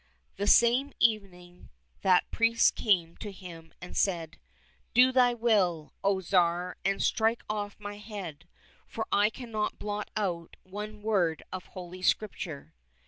The same evening that priest came to him and said, "Do thy will, O Tsar, and strike off my head, for I cannot blot out one word of Holy Scripture."